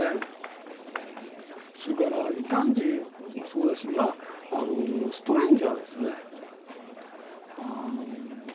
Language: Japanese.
それから異端児もそうだしストレンジャーですよね。